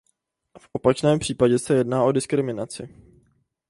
V opačném případě se jedná o diskriminaci.